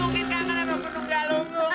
mungkin kangen ada penuh galung